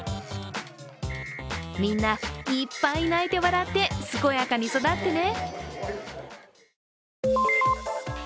みんな、いっぱい泣いて笑って、健やかに育ってね。